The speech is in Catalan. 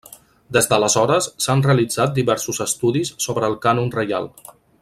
Des d'aleshores, s'han realitzat diversos estudis sobre el cànon reial.